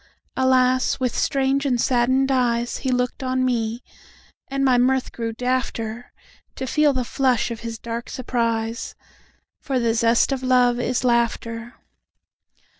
Alas! with strange and saddened eyesHe looked on me; and my mirth grew dafter, To feel the flush of his dark surprise; For the zest of love is laughter.